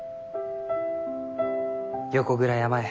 横倉山へ。